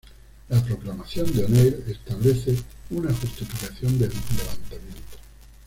La Proclamación de O'Neill establece una justificación del levantamiento.